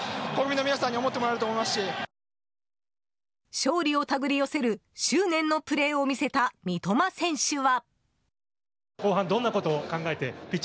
勝利を手繰り寄せる執念のプレーを見せた三笘選手は。